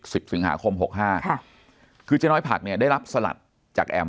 สิงหาคมหกห้าค่ะคือเจ๊น้อยผักเนี่ยได้รับสลัดจากแอม